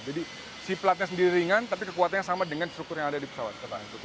jadi si platnya sendiri ringan tapi kekuatannya sama dengan struktur yang ada di pesawat